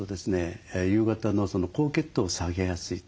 夕方の高血糖を下げやすいと。